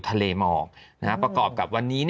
ทะเลหมอกประกอบกับวันนี้